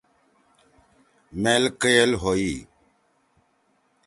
میل کیئل ہوئی